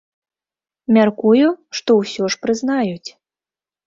Мяркую, што ўсё ж прызнаюць.